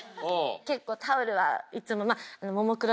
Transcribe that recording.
結構タオルはいつも。